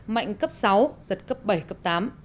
mạnh cấp sáu giật cấp bảy cấp tám